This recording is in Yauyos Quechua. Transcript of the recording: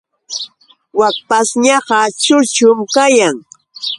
Wak pashñaqa churchu kayan.